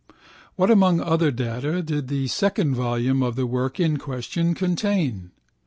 _ What among other data did the second volume of the work in question contain?